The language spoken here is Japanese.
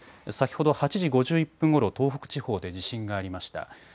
先ほど８時５１分ごろ東北地方で地震がありました。